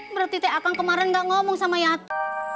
berarti teh akang kemarin gak ngomong sama yati